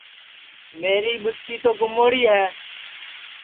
میری ٻُچکی تو گموڑی ہے